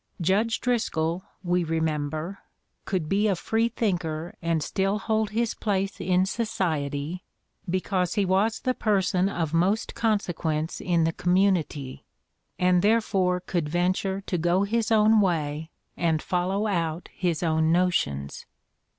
"Judge Driscoll," we remember, "could be a free thinker and still hold his place in society, because he was the person of most consequence in the community, and therefore could venture to go his own way and follow out his own notions."